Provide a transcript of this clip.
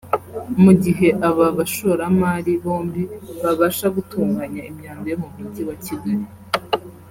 Mu gihe aba bashoramali bombi babasha gutunganya imyanda yo mu mugi wa Kigali